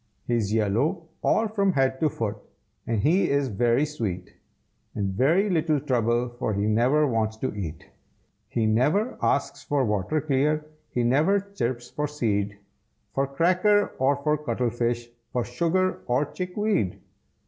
He's yellow all from head to foot, And he is very sweet, And very little trouble, for He never wants to eat. He never asks for water clear, He never chirps for seed, For cracker or for cuttlefish, For sugar or chickweed.